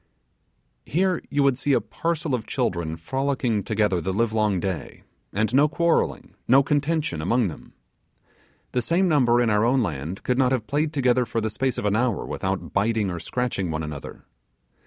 Here you would see a parcel of children frolicking together the live long day, and no quarrelling, no contention, among them. The same number in our own land could not have played together for the space of an hour without biting or scratching one another.